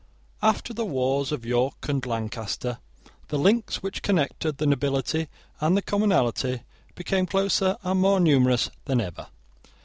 After the wars of York and Lancaster, the links which connected the nobility and commonalty became closer and more numerous than ever.